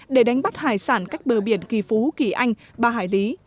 để đánh bắt hải sản cách bờ biển kỳ phú kỳ anh ba hải lý